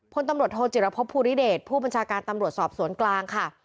พลตำรวจโทจิรพบภูริเดชผู้บัญชาการตำรวจสอบสวนกลางค่ะ